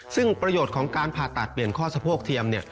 ซึ่งประโยชน์ของการผ่าตัดเปลี่ยนข้อสะโพกเทียม